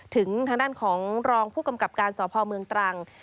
ถึงทางด้านของรองผู้กำกับการสพเมืองตรัง